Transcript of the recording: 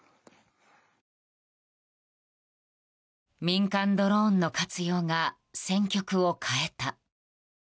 民間ドローンの活用が戦局を変えた。